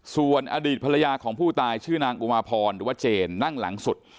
ส่วนอดีตภรรยาของผู้ตายชื่อนางอุมาพรหรือว่าเจนนั่งหลังสุด